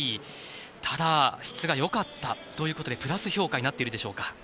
ただ、質が良かったということでプラス評価になっているでしょうか。